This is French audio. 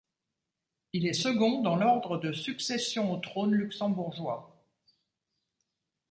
Il est second dans l'ordre de succession au trône luxembourgeois.